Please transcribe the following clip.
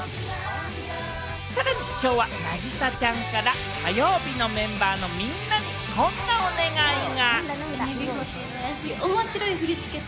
さらにきょうは凪咲ちゃんから火曜日のメンバーのみんなに、こんなお願いが。